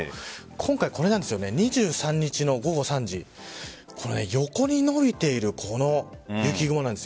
今回は２３日の午後３時横に伸びている、この雪雲です。